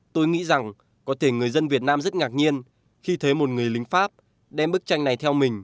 tôi nghĩ rằng có thể người dân việt nam rất ngạc nhiên khi thấy một người lính pháp đem bức tranh này theo mình